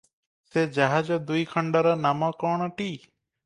ସେ ଜାହାଜ ଦୁଇଖଣ୍ଡର ନାମ କଣଟି?